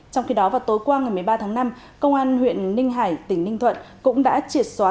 trong khi đó vào tối qua ngày một mươi ba tháng năm công an huyện ninh hải tỉnh ninh thuận cũng đã triệt xóa